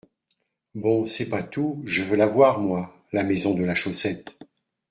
Bon, c’est pas tout, je veux la voir, moi, la maison de la chaussette !